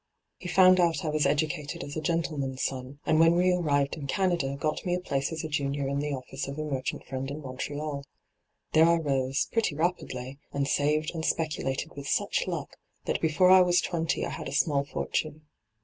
He found out I was educated as a gentleman's son, and when we arrived hyGoogIc 202 ENTRAPPED in Canada got me a place as a junior in the office of a merchant friend in Montreal. There I roBe — pretty rapidly — and aaved and specu lated with such luck that before I was twenty I had a small fortune.